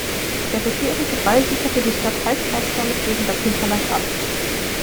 Der bisherige Wall sicherte die Stadt halbkreisförmig gegen das Hinterland ab.